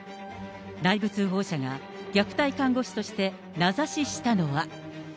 内部通報者が虐待看護師として名指ししたのは。